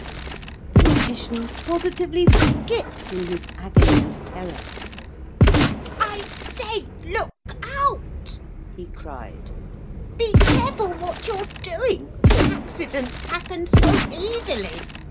The Magician positively skipped in his agony and terror. 'I say, look out!' he cried. 'Be careful what you're doing. Accidents happen so easily!